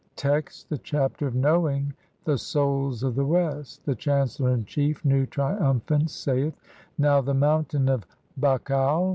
Text : (1) The Chapter of knowing (2) the Souls of THE WEST. The chancellor in chief, Nu, triumphant, saith :— "Now the Mountain of Bakhau (z.